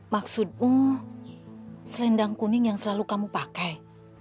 maksudmu selendang kuning yang selalu kamu pakai